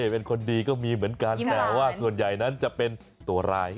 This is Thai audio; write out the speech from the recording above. เป็นคนดีก็มีเหมือนกันแต่ว่าส่วนใหญ่นั้นจะเป็นตัวร้าย